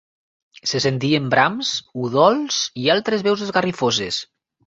Se sentien brams, udols i altres veus esgarrifoses.